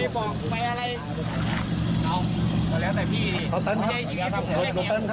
ก็หรือใครค่ะ